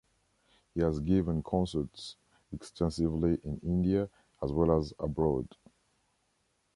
He has given concerts extensively in India as well as abroad.